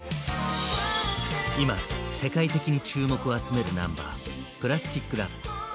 今世界的に注目を集めるナンバー「プラスティック・ラブ」。